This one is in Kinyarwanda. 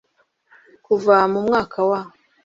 Kuva mu mwaka wa